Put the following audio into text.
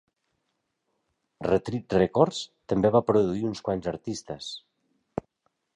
Retreat Records també va produir a uns quants artistes.